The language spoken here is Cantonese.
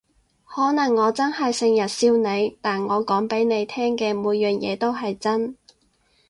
可能我真係成日笑你，但我講畀你聽嘅每樣嘢都係真